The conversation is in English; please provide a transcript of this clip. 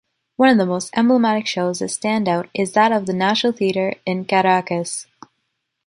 One of the most emblematic shows that stands out is that of the National Theater in Caracas.